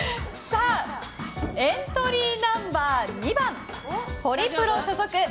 エントリーナンバー２番ホリプロ所属。